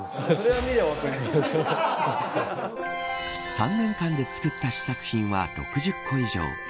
３年間で作った試作品は６０個以上。